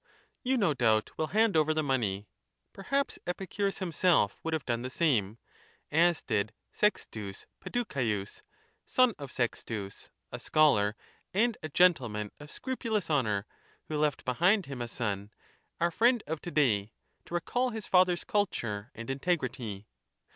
You no doubt will hand over the money ; perhaps Epicurus himself would have done the same ; as did Sextus Peducaeus, son of Sextus, a scholar and a gentleman of scrupulous honour, who left behind him a son, our friend of to day, to recall his father's culture and integrity.